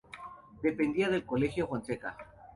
Dependía del Colegio de Fonseca.